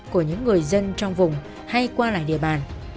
của những người dân trong vùng hay qua lại địa bàn